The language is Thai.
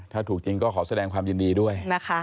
ถ้าถูกจริงก็ขอแสดงความยินดีด้วยนะคะ